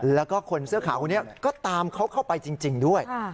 แล้วก็คนเสื้อขาวคนนี้ก็ตามเขาเข้าไปจริงด้วย